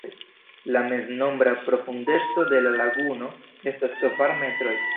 La meznombra profundeco de la laguno estas kvar metroj.